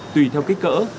tùy theo kích cỡ